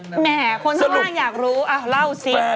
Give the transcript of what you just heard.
อีกข่าวหนึ่งนาวินต้าคนข้างอยากรู้อ้าวเล่าสิ